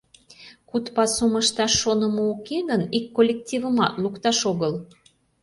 Куд пасум ышташ шонымо уке гын, ик коллективымат лукташ огыл.